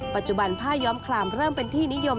ปัจจุบันผ้าย้อมคลามเริ่มเป็นที่นิยม